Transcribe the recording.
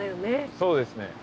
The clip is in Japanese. そうですね。